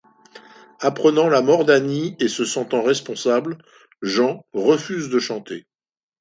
Apprenant la mort d’Annie et se sentant responsable, Jean refuse de chanter.